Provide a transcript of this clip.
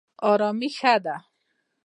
ارامي ښه ده.